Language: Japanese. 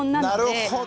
なるほど。